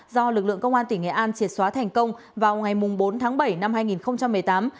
do lực lượng công an tỉnh nghệ an triệt xóa thành công vào ngày bốn tháng bảy năm hai nghìn một mươi tám